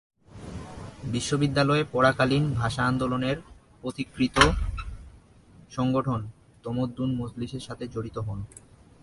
বিশ্ববিদ্যালয়ে পড়াকালীন ভাষা আন্দোলনের পথিকৃৎ সংগঠন তমদ্দুন মজলিসের সাথে জড়িত হন।